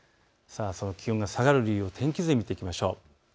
気温が下がる理由を天気図で見ていきましょう。